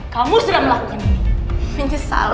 kamu sudah melakukan ini